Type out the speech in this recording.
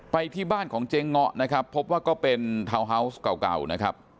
ไปที่บ้านของเจ๊เงาะนะครับพบว่าก็เป็นทาวน์ฮาวส์เก่านะครับ